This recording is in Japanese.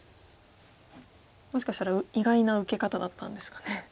もしかしたら意外な受け方だったんですかね。